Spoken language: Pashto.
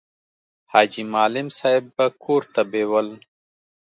حاجي معلم صاحب به کور ته بېول.